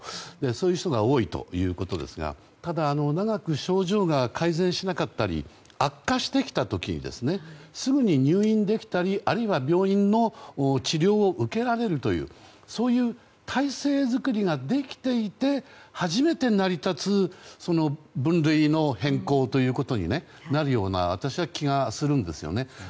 そういう人が多いということですがただ、長く症状が改善しなかったり悪化してきた時にすぐに入院できたりあるいは病院の治療を受けられるというそういう体制作りができていて初めて成り立つ分類の変更ということになるような気が私はするんですよね。